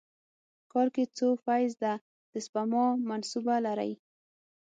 کال کې څو فیص ده د سپما منصوبه لرئ؟